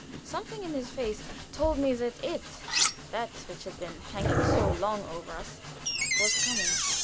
Something in his face told me that it that which had been hanging so long over us was coming.